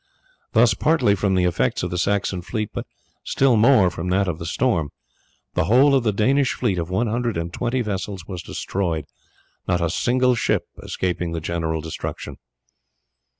Thus, partly from the effects of the Saxon fleet but still more from that of the storm, the whole of the Danish fleet of one hundred and twenty vessels was destroyed, not a single ship escaping the general destruction.